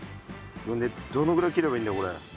どのぐらい切ればいいんだこれ。